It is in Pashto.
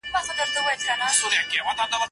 مقرر سوه دواړه سم یوه شعبه کي